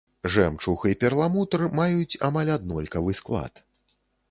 Жэмчуг і перламутр маюць амаль аднолькавы склад.